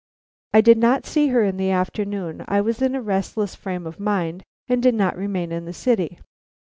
"I did not see her in the afternoon. I was in a restless frame of mind, and did not remain in the city."